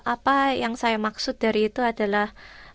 apa yang saya maksud dari itu adalah